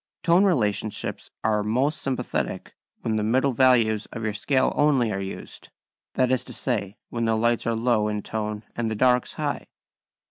#Tone relationships are most sympathetic when the middle values of your scale only are used, that is to say, when the lights are low in tone and the darks high.